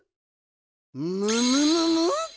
むむむむっ！